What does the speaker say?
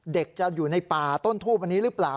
เด็กจะอยู่ในป่าต้นทูบอันนี้หรือเปล่า